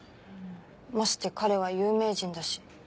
まして彼は有名人だし。